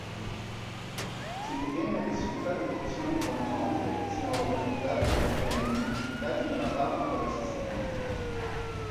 Si ritiene che su tali porzioni cromosomiche siano localizzati vari geni implicati nella farmaco-resistenza.